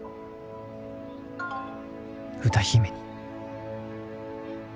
「歌姫に」